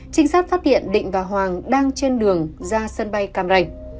trinh sát phát hiện định và hoàng đang trên đường ra sân bay cam ranh